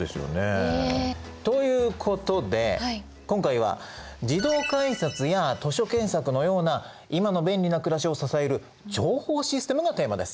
ええ！ということで今回は自動改札や図書検索のような今の便利な暮らしを支える「情報システム」がテーマです。